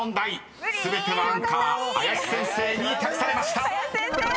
［全てはアンカー林先生に託されました］